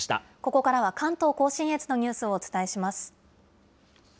ここからは関東甲信越のニュースをお伝えします。